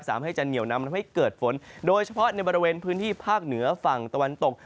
สามารถให้จะเหนียวนำทำให้เกิดฝนโดยเฉพาะในบริเวณพื้นที่ภาคเหนือฝั่งตะวันตก